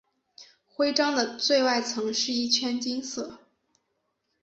徽章的最外层是一圈金色。